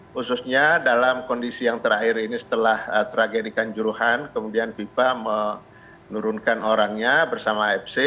khususnya dalam kondisi yang terakhir ini setelah tragedikan juruhan kemudian vipa menurunkan orangnya bersama afc